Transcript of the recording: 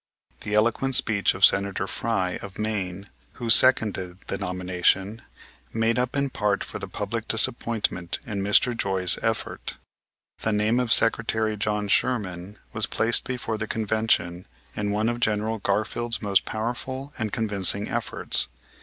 The eloquent speech of Senator Frye, of Maine, who seconded the nomination, made up in part for the public disappointment in Mr. Joy's effort. The name of Secretary John Sherman was placed before the Convention in one of General Garfield's most powerful and convincing efforts.